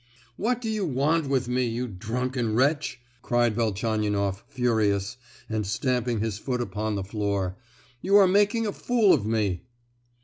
"What do you want with me, you drunken wretch?" cried Velchaninoff, furious, and stamping his foot upon the floor; "you are making a fool of me!"